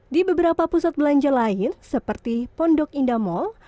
di beberapa pusat belanja lain seperti pondok indah mall